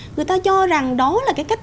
người ta cho rằng đó là cái cách